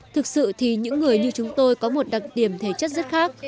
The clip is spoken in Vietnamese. thực sự thì những người như chúng tôi có một đặc điểm thể chất rất khác